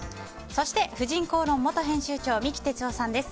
そして「婦人公論」元編集長三木哲男さんです。